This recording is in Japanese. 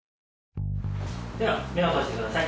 では目を閉じてください。